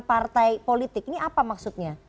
partai politik ini apa maksudnya